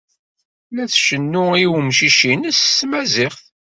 La tcennu i umcic-nnes s tmaziɣt.